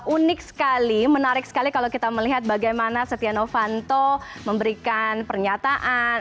unik sekali menarik sekali kalau kita melihat bagaimana setia novanto memberikan pernyataan